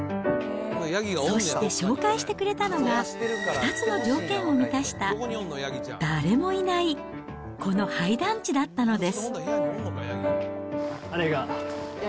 そして紹介してくれたのが、２つの条件を満たした誰もいないこの廃団地だったのです。